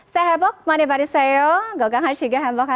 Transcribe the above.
selamat tahun baru selamat malam